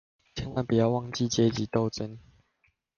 千萬不要忘記階級鬥爭